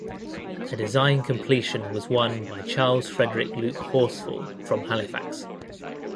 A design completion was won by Charles Frederick Luke Horsfall from Halifax.